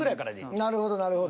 なるほどなるほど。